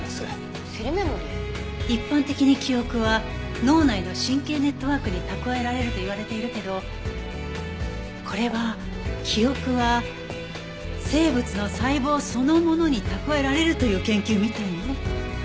一般的に記憶は脳内の神経ネットワークに蓄えられるといわれているけどこれは記憶は生物の細胞そのものに蓄えられるという研究みたいね。